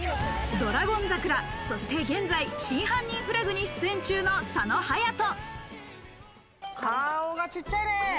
『ドラゴン桜』、そして現在『真犯人フラグ』に出演中の佐野勇斗。